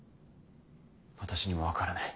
私にも分からない。